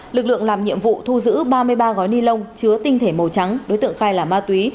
lực lượng làm nhiệm vụ thu giữ ba mươi ba gói ni lông chứa tinh thể màu trắng đối tượng khai là ma túy